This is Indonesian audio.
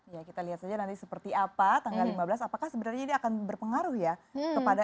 ya kita lihat saja nanti seperti apa tanggal lima belas apakah sebenarnya ini akan berpengaruh ya kepada